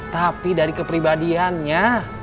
tapi dari kepribadiannya